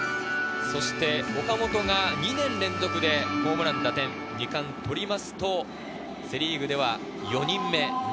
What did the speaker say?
岡本が２年連続でホームラン・打点で２冠を取ると、セ・リーグでは４人目。